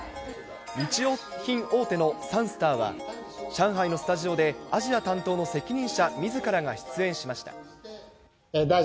日用品大手のサンスターは、上海のスタジオでアジア担当の責任者みずからが出演しました。